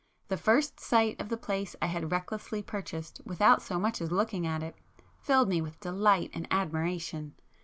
The first sight of the place I had recklessly purchased without so much as looking at it, filled me with delight and admiration.